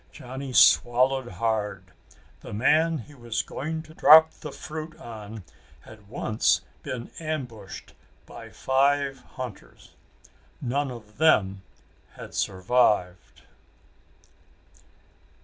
Johnny swallowed hard. The man he was going to drop the fruit on had once been ambushed by five hunters none of them had survived.